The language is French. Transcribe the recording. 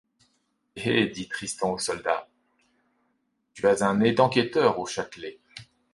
Hé! hé ! dit Tristan au soldat, tu as un nez d’enquêteur au Châtelet.